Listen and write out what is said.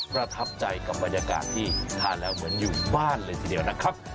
ประทับใจกับบรรยากาศที่ทานแล้วเหมือนอยู่บ้านเลยทีเดียวนะครับ